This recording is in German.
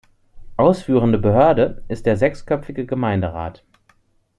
Ausführende Behörde ist der sechsköpfige Gemeinderat.